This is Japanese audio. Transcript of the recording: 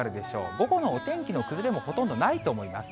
午後のお天気の崩れも、ほとんどないと思います。